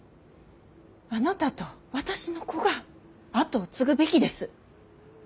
あなたと私の子が跡を継ぐべきです。